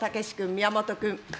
宮本君。